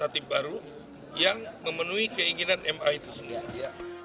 tatib baru yang memenuhi keinginan ma itu sendiri